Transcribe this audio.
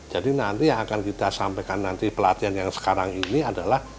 jadi nanti yang akan kita sampaikan nanti pelatihan yang sekarang ini adalah